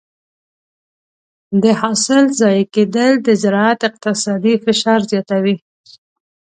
د حاصل ضایع کېدل د زراعت اقتصادي فشار زیاتوي.